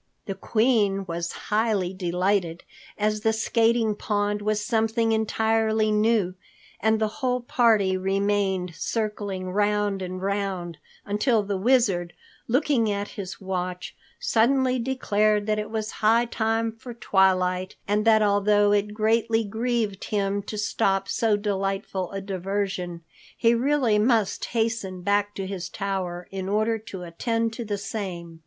The Queen was highly delighted as the skating pond was something entirely new, and the whole party remained circling round and round until the Wizard, looking at his watch, suddenly declared that it was high time for twilight and that although it greatly grieved him to stop so delightful a diversion, he really must hasten back to his tower in order to attend to the same.